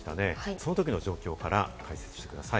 そのときの状況から解説してください。